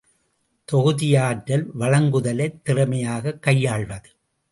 தொகுதியாற்றல் வழங்குதலைத் திறமையாகக் கையாள்வது.